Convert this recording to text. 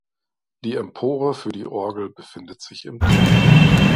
Die Empore für die Orgel befindet sich im Turm.